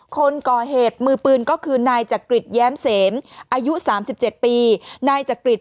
คนก่อเหตุมือปืนก็คือนายจักริจแย้มเสมอายุ๓๗ปีนายจักริต